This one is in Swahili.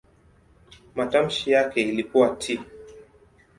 Matamshi yake ilikuwa "t".